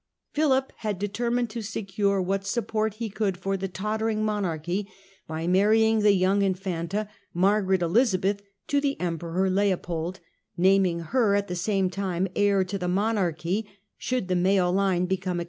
Philip had determined to secure what support he could for the tottering monarchy by marrying the young Marriage of Infanta, Margaret Elizabeth, to the Emperor with^w" 14 *' eo P°^> nam ^ n & her at the same time heir to Emperor the monarchy should the male line become Leopold.